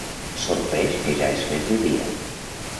Sorprès que ja es fes de dia.